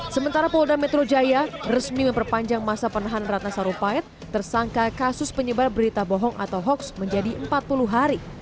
sementara polda metro jaya resmi memperpanjang masa penahan ratna sarumpait tersangka kasus penyebar berita bohong atau hoaks menjadi empat puluh hari